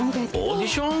オーディション？